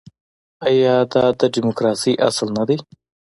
آیا دا د ډیموکراسۍ اصل نه دی؟